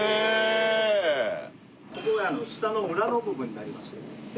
ここが舌の裏の部分になりましてで